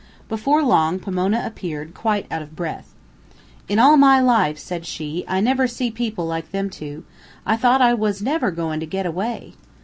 Before long, Pomona appeared, quite out of breath. "In all my life," said she, "I never see people like them two. I thought I was never goin' to get away."